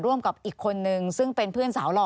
กับอีกคนนึงซึ่งเป็นเพื่อนสาวหล่อ